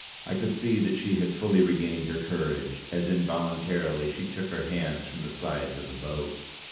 I could see that she had fully regained her courage, as involuntarily she took her hands from the sides of the boat.